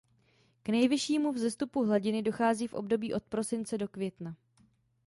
K nejvyššímu vzestupu hladiny dochází v období od prosince do května.